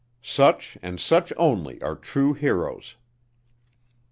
Such, and such only, are true heroes!